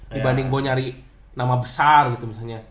dibanding gue nyari nama besar gitu misalnya